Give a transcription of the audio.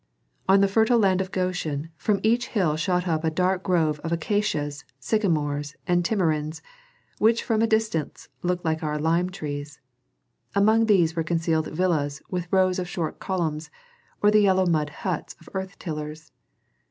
On the fertile land of Goshen from each hill shot up a dark grove of acacias, sycamores, and tamarinds which from a distance looked like our lime trees; among these were concealed villas with rows of short columns, or the yellow mud huts of earth tillers.